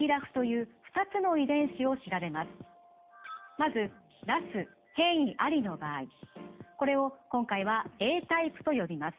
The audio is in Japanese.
まずＲＡＳ変異ありの場合これを今回はＡタイプと呼びます。